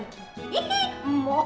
itu yang di belakang minum sawah